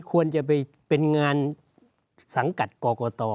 ควรจะไปเป็นงานสังกัดกรกต